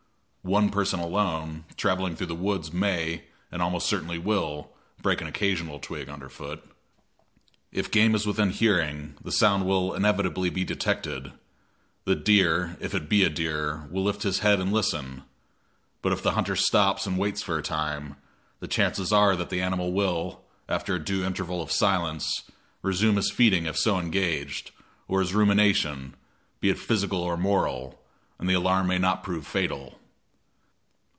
One person alone, traveling through the woods, may, and almost certainly will, break an occasional twig under foot. If game is within hearing, the sound will inevitably be detected; the deer, if it be a deer, will lift his head and listen; but if the hunter stops and waits for a time, the chances are that the animal will, after due interval of silence, resume his feeding if so engaged, or his rumination, be it physical or moral, and the alarm may not prove fatal.